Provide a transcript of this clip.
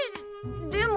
でも。